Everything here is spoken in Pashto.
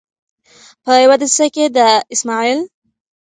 په یوه دسیسه کې د اسمعیل